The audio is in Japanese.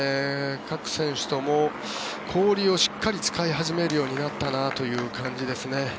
各選手とも氷をしっかり使い始めるようになったなという感じですね。